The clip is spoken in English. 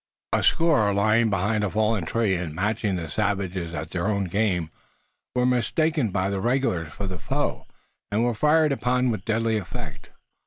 A score lying behind a fallen trunk and, matching the savages at their own game, were mistaken by the regulars for the foe, and were fired upon with deadly effect.